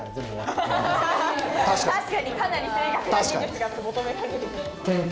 確かにかなり正確な技術が求められる。